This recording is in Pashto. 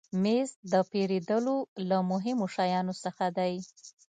مېز د پیرودلو له مهمو شیانو څخه دی.